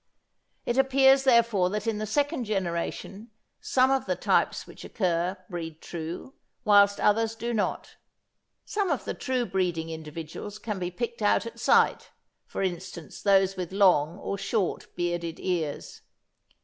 It appears therefore that in the second generation some of the types which occur breed true, whilst others do not. Some of the true breeding individuals can be picked out at sight, for instance, those with long or short bearded ears.